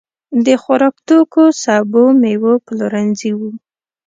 د خوراکتوکو، سبو، مېوو پلورنځي وو.